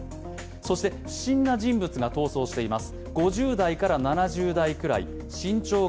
そして不審な人物が逃走しています。